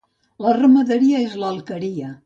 La ramaderia és l'alqueria.